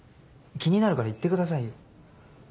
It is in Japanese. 気になるから言ってくださいよ。